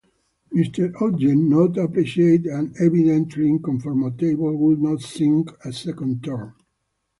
Mr. Odgen, not appreciated and evidently uncomfortable, would not sing a second turn.